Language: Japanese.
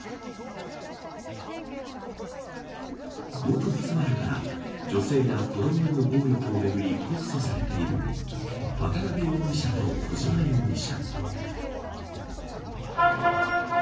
元妻らから女性や子どもへの暴力をめぐり告訴されている渡辺容疑者と小島容疑者。